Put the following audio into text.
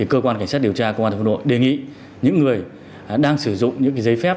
cơ quan cảnh sát điều tra cơ quan thông tin nội đề nghị những người đang sử dụng những giấy phép